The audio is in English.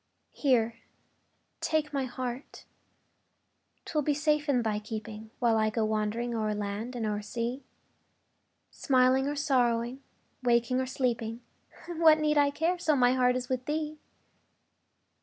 Here, take my heart 'twill be safe in thy keeping, While I go wandering o'er land and o'er sea; Smiling or sorrowing, waking or sleeping, What need I care, so my heart is with thee?